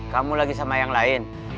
kamu lagi sama yang lain